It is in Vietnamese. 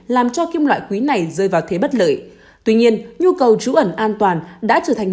làm cho kim loại quý này rơi vào thế bất lợi tuy nhiên nhu cầu trú ẩn an toàn đã trở thành